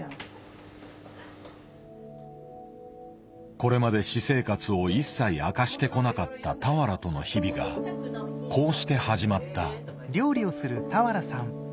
これまで私生活を一切明かしてこなかった俵との日々がこうして始まった。